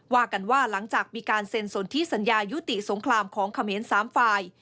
ว่ากันว่าหลังจากมีการเซ็นสนทิสัญญายุติสงครามของเขมร๓ฝ่าย